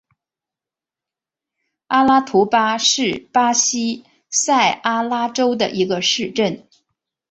阿拉图巴是巴西塞阿拉州的一个市镇。